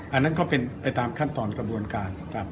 อันนั้นก็เป็นไปตามขั้นตอนกระบวนการครับ